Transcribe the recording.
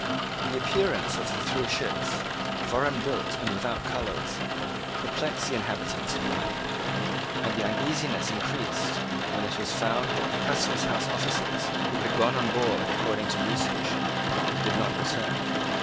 The appearance of the three ships, foreign built and without colours, perplexed the inhabitants of Lyme; and the uneasiness increased when it was found that the Customhouse officers, who had gone on board according to usage, did not return.